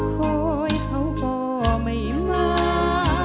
คอยเขาป่อไม่มา